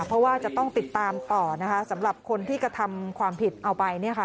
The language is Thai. เพราะว่าจะต้องติดตามต่อนะคะสำหรับคนที่กระทำความผิดเอาไป